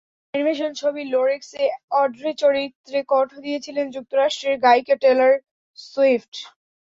Animation ছবি লোরেক্স-এ Audrey চরিত্রে কণ্ঠ দিয়েছিলেন যুক্তরাষ্ট্রের গায়িকা টেলর সুইফট।